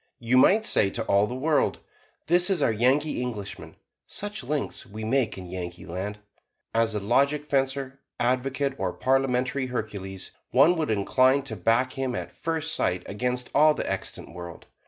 You might say to all the world, "This is our Yankee Englishman; such links we make in Yankeeland!" As a logic fencer, advocate or Parliamentary Hercules, one would incline to back him at first sight against all the extant world.